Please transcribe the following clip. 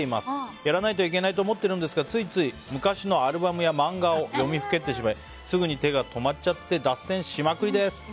やらないといけないと思っているのですがついつい昔のアルバムや漫画を読みふけってしまいすぐに手が止まっちゃって脱線しまくりです。